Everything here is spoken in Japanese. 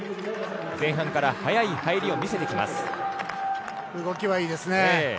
前半から早い入りを見せてきます。